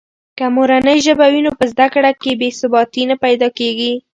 که مورنۍ ژبه وي نو په زده کړه کې بې ثباتي نه پیدا کېږي.